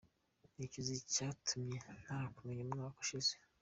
Nicuza icyatumye ntarakumenye umwaka ushize.